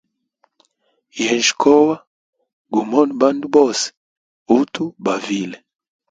Yenjya kowa gumone bandu bonse uthu bavile.